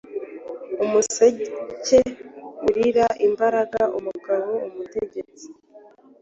Umuseke-urira imbaraga Umugabo-umutegetsi